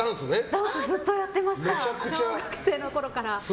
ダンスずっとやってました小学生のころから。